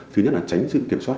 thứ nhất là tránh sự kiểm soát